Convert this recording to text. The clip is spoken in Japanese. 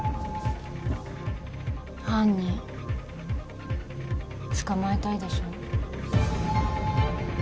犯人捕まえたいでしょ？